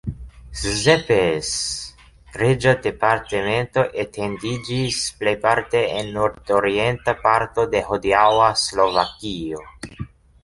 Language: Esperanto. Szepes reĝa departemento etendiĝis plejparte en nordorienta parto de hodiaŭa Slovakio.